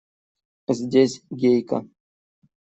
Здесь Гейка!